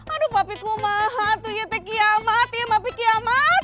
aduh papiku maha tuh ya teh kiamat ya mami kiamat